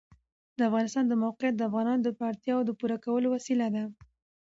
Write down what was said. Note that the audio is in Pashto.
د افغانستان د موقعیت د افغانانو د اړتیاوو د پوره کولو وسیله ده.